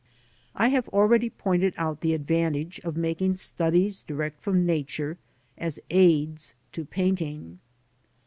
I have already pointed out the advantage of making studies direct from Nature, as aids to painting.